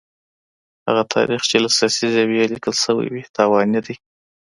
هغه تاريخ چي له سياسي زاويې ليکل شوی وي تاواني دی.